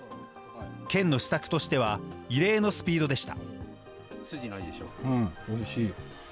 県の施策としては、異例のスピードでした。